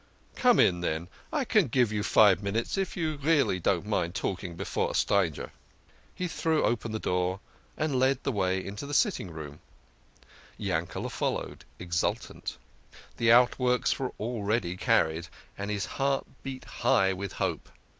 Come in, then, I can give you five minutes if you really don't mind talking before a stranger." He threw open the door, and led the way into the sitting room. 90 THE KING OF SCHNORRERS. Yankele" followed, exultant ; the outworks were already carried, and his heart beat high with hope.